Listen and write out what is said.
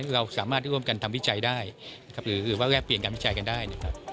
เราสามารถร่วมกันทำวิจัยได้หรือว่าแลกเปลี่ยนการวิจัยกันได้นะครับ